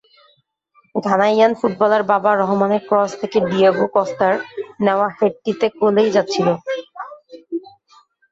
Ghanaian footballer Baba রহমানের cross থেকে Diego কস্তার নেওয়া হেডটিতে গোলেই যাচ্ছিল।